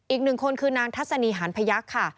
อีกหนึ่งคนคือนางทัศนีหานพยักษ์ค่ะ